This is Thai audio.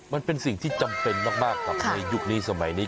มันเป็นสิ่งที่จำเป็นมากกับในยุคนี้สมัยนี้